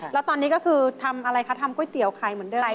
แล้วตอนนี้ก็คือทำอะไรคะทำก๋วยเตี๋ยวไข่เหมือนเดิม